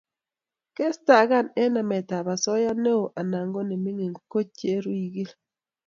Kestakan eng nametab osoya neo anan ko mining kochereiugil